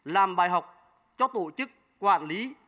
làm bài học cho tổ chức quản lý